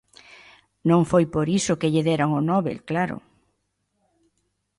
Non foi por iso que lle deran o Nobel, claro.